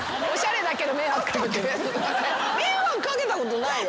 迷惑かけたことないよ。